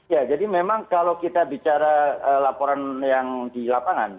ya jadi memang kalau kita bicara laporan yang di lapangan